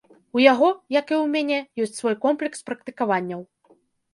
У яго, як і ў мяне, ёсць свой комплекс практыкаванняў.